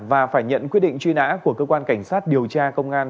và phải nhận quyết định truy nã của cơ quan cảnh sát điều tra công an